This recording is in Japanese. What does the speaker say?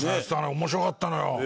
面白かったのよ。